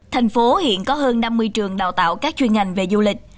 thành phố hiện có hơn năm mươi trường đào tạo các chuyên ngành về du lịch